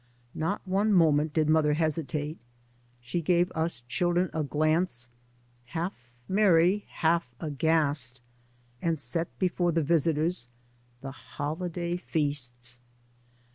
Not one moment did mother hesitate. She gave us children a glance, half merry, half aghast, and set before the visitors — the holiday feasts.